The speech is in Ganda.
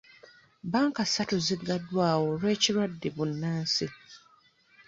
Bbanka ssatu ziggaddwawo lw'ekirwadde bbunansi.